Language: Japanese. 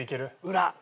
裏。